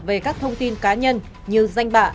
về các thông tin cá nhân như danh bạ